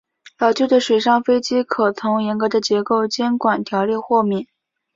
老旧的水上飞机可从严格的结构监管条例豁免。